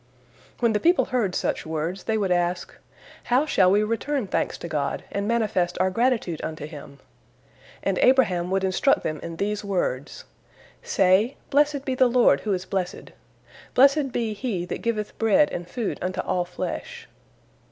When the people heard such words, they would ask, "How shall we return thanks to God and manifest our gratitude unto Him?" And Abraham would instruct them in these words: "Say, Blessed be the Lord who is blessed! Blessed be He that giveth bread and food unto all flesh!"